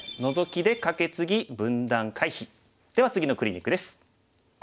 では次のクリニックです。